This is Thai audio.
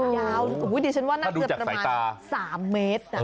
อยู่ถึงประมาณ๓เมตร